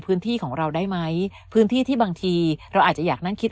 พื้นที่ของเราได้ไหมพื้นที่ที่บางทีเราอาจจะอยากนั่งคิด